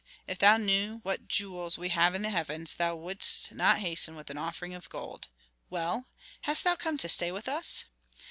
If thou knew what jewels we have in the heavens thou wouldst not hasten with an offering of gold. Well, hast thou come to stay with us?"